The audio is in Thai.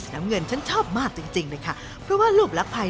โอ้โหเหนียวมากเลย